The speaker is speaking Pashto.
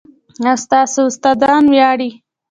ایا ستاسو استادان ویاړي؟